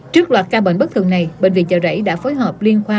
trước loạt ca bệnh bất thường này bệnh viện chợ rẫy đã phối hợp liên khoa